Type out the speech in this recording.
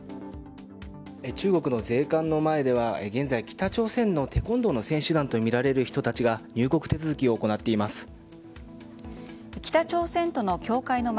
中国の税関の前では現在北朝鮮のテコンドーの選手団とみられる人たちが北朝鮮との境界の街